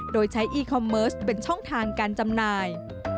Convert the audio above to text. โดยใช้อีคอมเมิร์สเป็นช่องทางการจำหน่าย